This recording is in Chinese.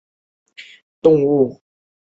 鲫碘泡虫为碘泡科碘泡虫属的动物。